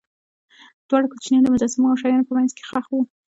دواړه کوچنیان د مجسمو او شیانو په منځ کې ښخ وو.